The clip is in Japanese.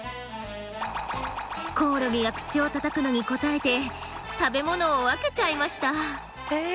コオロギが口をたたくのに応えて食べ物を分けちゃいました。